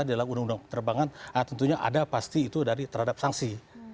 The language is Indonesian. dalam undang undang penerbangan tentunya ada pasti itu dari terhadap sanksi